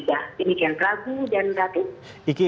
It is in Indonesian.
demikian ragu dan berarti